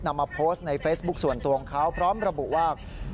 มาโพสต์ในเฟซบุ๊คส่วนตัวของเขาพร้อมระบุว่า